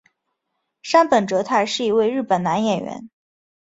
杉本哲太是一位日本男演员。